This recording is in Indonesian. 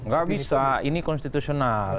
gak bisa ini konstitusional